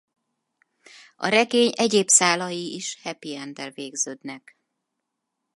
A regény egyéb szálai is happy enddel végződnek.